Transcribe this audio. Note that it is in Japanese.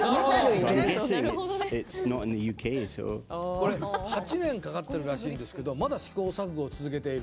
これ８年かかっているらしいんですけどまだ試行錯誤を続けている。